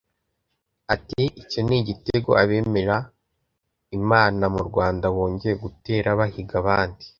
Ati “Icyo ni igitego abemera Imana mu Rwanda bongeye gutera bahiga abandi